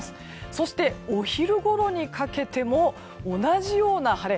そしてお昼ごろにかけても同じような晴れ。